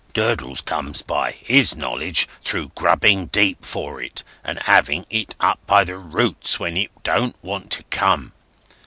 Durdles comes by his knowledge through grubbing deep for it, and having it up by the roots when it don't want to come.